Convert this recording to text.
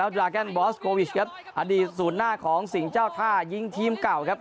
ดราแกนบอสโควิชครับอดีตศูนย์หน้าของสิงห์เจ้าท่ายิงทีมเก่าครับ